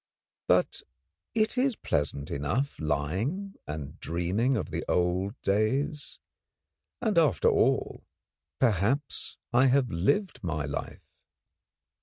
But it is pleasant enough lying and dreaming of the old days; and, after all, perhaps I have lived my life.